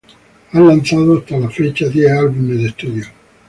Han lanzado hasta la fecha diez álbumes de estudio.